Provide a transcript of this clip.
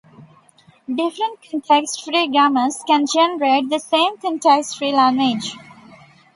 Different context-free grammars can generate the same context-free language.